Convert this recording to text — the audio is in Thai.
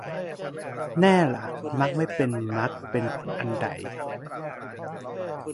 แน่ล่ะมักไม่เป็นมรรคเป็นผลอันใด